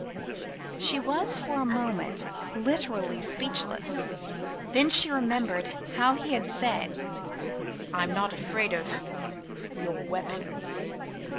She was for the moment literally speechless. Then she remembered how he had said: "I am not afraid of your weapons."